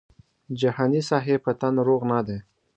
جهاني صاحب په تن روغ نه دی.